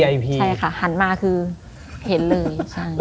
ใช่ค่ะหันมาคือเห็นเลยใช่